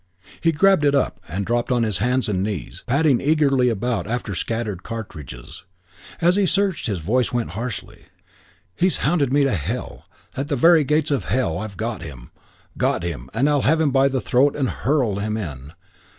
He grabbed it up and dropped on his hands and knees, padding eagerly about after scattered cartridges. As he searched his voice went harshly, "He's hounded me to hell. At the very gates of hell I've got him, got him, and I'll have him by the throat and hurl him in!"